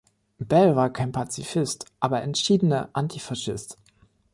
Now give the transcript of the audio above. Bell war kein Pazifist, aber entschiedener Antifaschist.